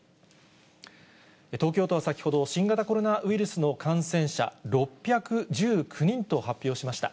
東京都は先ほど、新型コロナウイルスの感染者６１９人と発表しました。